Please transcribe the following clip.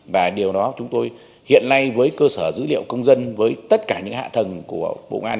và điều đó chúng tôi hiện nay với cơ sở dữ liệu công dân với tất cả những hạ thần của bộ công an